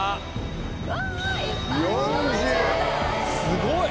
すごい！